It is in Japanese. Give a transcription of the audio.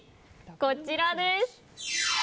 こちらです。